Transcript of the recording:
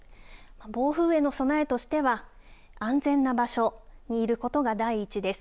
暴風への備えとしては、安全な場所にいることが第一です。